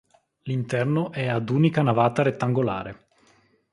L'interno è ad unica navata rettangolare.